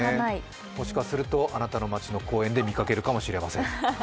もしかするとあなたの街の公園で見つかるかもしれません。